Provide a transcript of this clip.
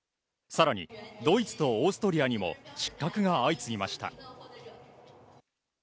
さらに、ドイツとオーストリアにも失格が相次ぎました。